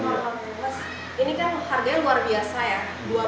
mas ini kan harganya luar biasa ya dua puluh lima juta